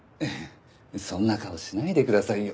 そんな顔しないでくださいよ。